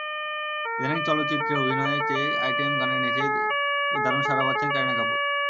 ইদানীং চলচ্চিত্রে অভিনয়ের চেয়ে আইটেম গানে নেচেই দারুণ সাড়া পাচ্ছেন কারিনা কাপুর।